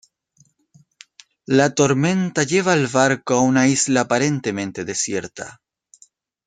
La tormenta lleva al barco a una isla aparentemente desierta.